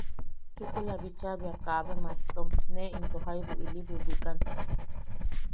Chukula bicha bea kabe Maejtom ne into jaubu ili bwibwikan.